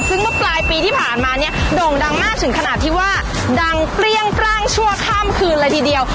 ซึ่งเมื่อปลายปีที่ผ่านมาเนี่ยโด่งดังมากถึงขนาดที่ว่าดังเปรี้ยงปร่างชั่วข้ามคืนเลยทีเดียว